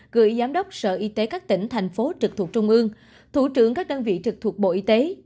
gửi giám đốc sở y tế các tỉnh thành phố trực thuộc trung ương thủ trưởng các đơn vị trực thuộc bộ y tế